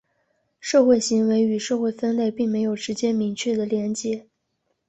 社会行为与社会分类并没有直接明确的连结。